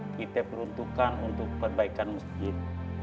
kita peruntukkan untuk perbaikan masjid